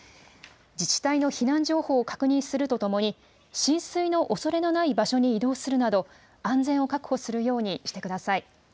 自治体の避難情報を確認するとともに、浸水のおそれのない場所に移動するなど、安全を確保するようにしてください。